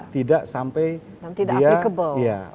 tidak sampai tidak applicable